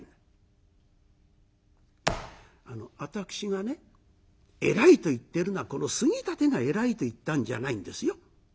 あの私がねえらいと言ってるのはこの杉立がえらいと言ったんじゃないんですよ。